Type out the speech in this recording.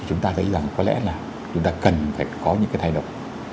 chúng ta thấy rằng có lẽ là chúng ta cần phải có những cái thay đổi